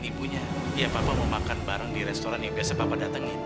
ibu nya iya papa mau makan bareng di restoran yang biasa papa datengin